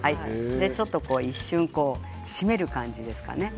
ちょっと締める感じですかね。